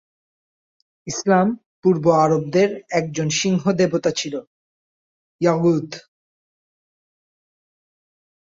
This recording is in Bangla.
ইসলাম পূর্ব আরবদের একজন সিংহ- দেবতা ছিল, ইয়াগুথ।